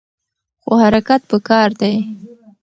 خو حرکت پکار دی.